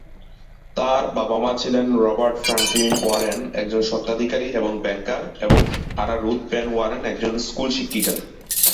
তার বাবা-মা ছিলেন রবার্ট ফ্র্যাঙ্কলিন ওয়ারেন, একজন স্বত্বাধিকারী এবং ব্যাংকার এবং আনা রুথ পেন ওয়ারেন, একজন স্কুল শিক্ষিকা।